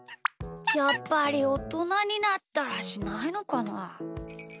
やっぱりおとなになったらしないのかな？